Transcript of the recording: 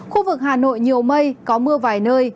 khu vực hà nội nhiều mây có mưa vài nơi